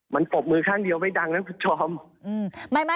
มันปรบมือข้างเดียวไม่ดังนะคุณผู้ชม